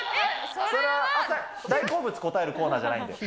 それは大好物答えるコーナーじゃないんです。